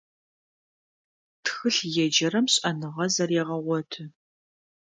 Тхылъ еджэрэм шӀэныгъэ зэрегъэгъоты.